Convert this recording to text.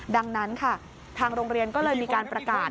ดังนั้นค่ะทางโรงเรียนก็เลยมีการประกาศ